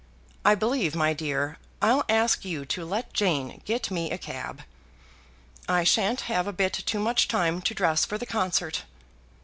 I believe, my dear, I'll ask you to let Jane get me a cab. I shan't have a bit too much time to dress for the concert."